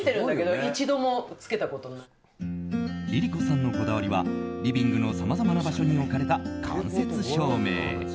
ＬｉＬｉＣｏさんのこだわりはリビングのさまざまな場所に置かれた、間接照明。